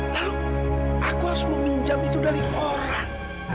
lalu aku harus meminjam itu dari orang